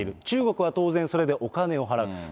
中国は当然、それでお金を払う。